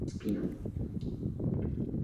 Kazumi confrontó a Heihachi, el cual la derrotó.